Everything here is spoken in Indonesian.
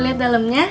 boleh liat dalemnya